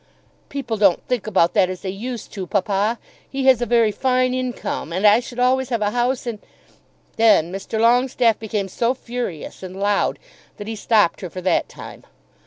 "People don't think about that as they used to, papa. He has a very fine income, and I should always have a house in " Then Mr. Longestaffe became so furious and loud, that he stopped her for that time.